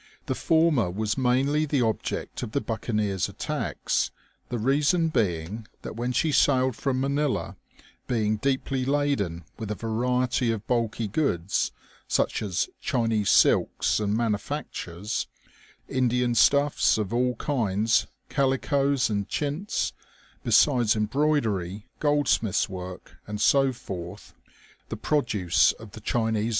The former was mainly the object of the buccaneers* attacks, the reason being that when she sailed from Manila, being deeply laden with a variety of bulky goods, such as Chinese silks and manufactures, Indian stuffs of all kinds, calicoes and chintz, besides embroidery, gold smiths' work, and so forth, the produce of the Chinese OLD SHirS.